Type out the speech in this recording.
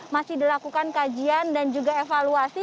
masih dilakukan kajian dan juga evaluasi